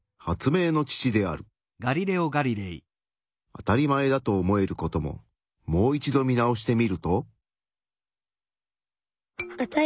あたりまえだと思えることももう一度見直してみると？